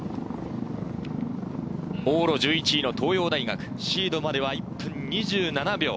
往路１１位の東洋大学、シードまでは１分２７秒。